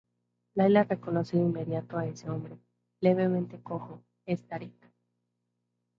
Laila reconoce de inmediato a ese hombre, levemente cojo: es Tariq.